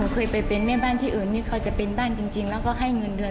คอร์ปอเรชเช่น